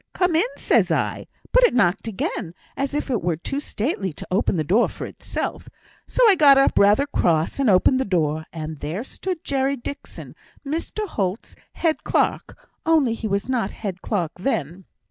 'Come in!' says I; but it knocked again, as if it were too stately to open the door for itself; so I got up, rather cross, and opened the door; and there stood Jerry Dixon, Mr Holt's head clerk; only he was not head clerk then.